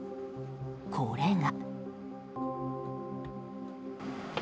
これが。